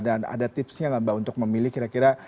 dan ada tipsnya nggak mbak untuk memilih kira kira